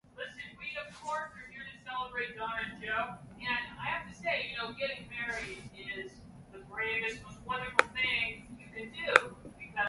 They attended and won for Best Hard Rock band, the first ever.